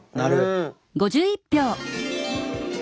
うん。